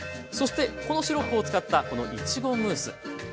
そしてこのシロップを使ったこのいちごムース。